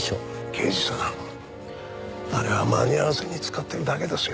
刑事さんあれは間に合わせに使ってるだけですよ。